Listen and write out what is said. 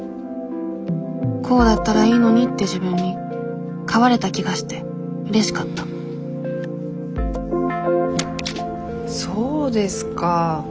こうだったらいいのにって自分に変われた気がしてうれしかったそうですか。